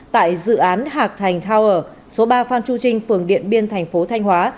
tại dự án hạc thành tower số ba phan chu trinh phường điện biên thành phố thanh hóa